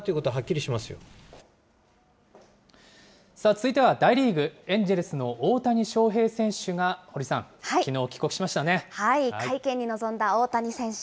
続いては大リーグ・エンジェルスの大谷翔平選手が、堀さん、会見に臨んだ大谷選手。